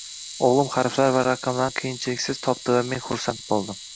O'g'lim harflar va raqamlarni qiyinchiliksiz topdi va men xursand bo'ldim